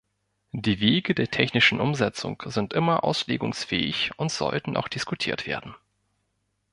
Die Wege der technischen Umsetzung sind immer auslegungsfähig und sollten auch diskutiert werden.